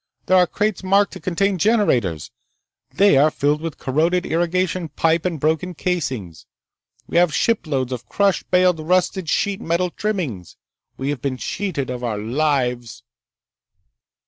There are crates marked to contain generators. They are filled with corroded irrigation pipe and broken castings. We have shiploads of crush baled, rusted sheet metal trimmings! We have been cheated of our lives!"